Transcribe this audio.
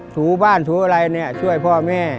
ถูบ้านถูอะไรช่วยพ่อแม่